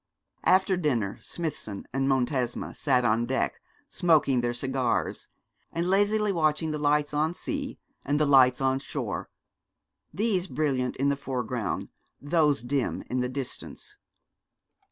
After dinner Smithson and Montesma sat on deck, smoking their cigars, and lazily watching the lights on sea, and the lights on shore; these brilliant in the foreground, those dim in the distance.